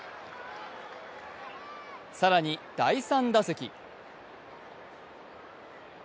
更に第３打席。